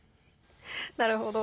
なるほど。